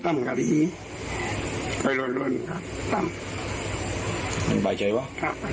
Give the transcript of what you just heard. ไม่ใบใจวะ